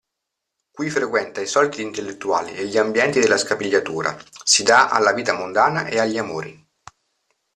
Qui frequenta i salotti intellettuali e gli ambienti della Scapigliatura, si dà alla vita mondana e agli amori.